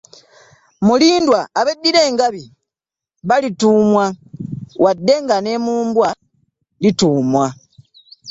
Mulindwa abeddira engabi balituumwa wadde nga ne mu mbwa lituumwa.